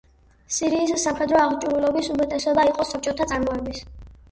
სირიის სამხედრო აღჭურვილობის უმეტესობა იყო საბჭოთა წარმოების.